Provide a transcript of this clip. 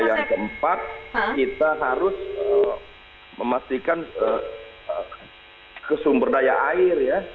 yang keempat kita harus memastikan kesumberdaya air